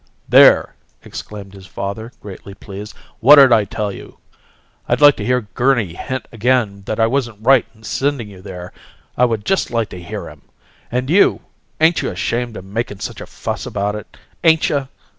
"There!" exclaimed his father, greatly pleased. "What'd I tell you? I'd like to hear Gurney hint again that I wasn't right in sending you there I would just like to hear him! And you ain't you ashamed of makin' such a fuss about it? Ain't you?"